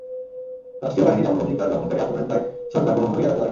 রাষ্ট্রীয় বাহিনীর এমন অধিকার লঙ্ঘনকারী আচরণের দায় সরকার কোনোভাবেই এড়াতে পারে না।